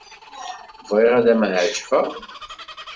Bɣiɣ ad m-εeǧbeɣ.